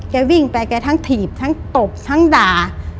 วิ่งไปแกทั้งถีบทั้งตบทั้งด่า